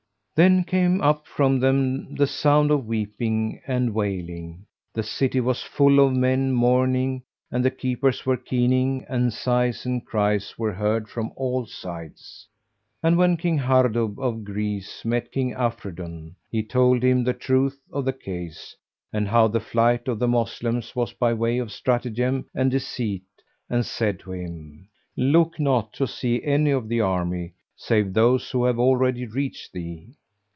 Then came up from them the sound of weeping and wailing; the city was full of men mourning and the keepers were keening, and sighs and cries were heard from all sides. And when King Hardub of Greece met King Afridun he told him the truth of the case and how the flight of the Moslems was by way of stratagem and deceit, and said to him, "Look not to see any of the army, save those who have already reached thee."